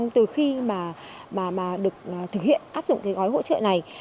từ khi được thực hiện áp dụng gói hỗ trợ này